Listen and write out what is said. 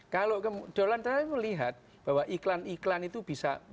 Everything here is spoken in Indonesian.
kalau donald trump melihat bahwa iklan iklan itu bisa